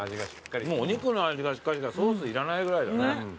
お肉の味がしっかりしてソースいらないぐらいだね。